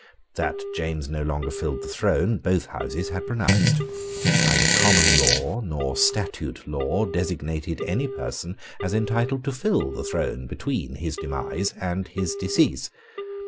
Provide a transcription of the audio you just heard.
That James no longer filled the throne both Houses had pronounced. Neither common law nor statute law designated any person as entitled to fill the throne between his demise and his decease.